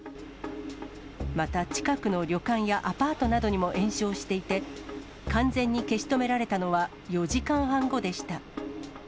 また近くの旅館やアパートなどにも延焼していて、完全に消し止められたのは４時間半後でした。